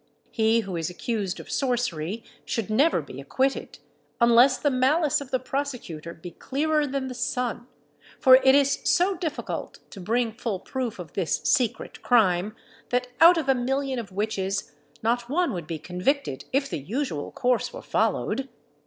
He who is accused of sorcery should never be acquitted, unless the malice of the prosecutor be clearer than the sun; for it is so difficult to bring full proof of this secret crime, that out of a million of witches not one would be convicted if the usual course were followed!"